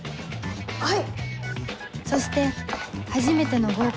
はい。